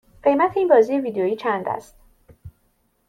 قیمت این بازی ویدیویی چند است؟